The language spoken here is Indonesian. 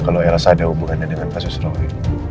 kalo elsa ada hubungannya dengan pak susroi